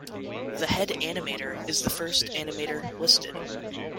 The head animator is the first animator listed.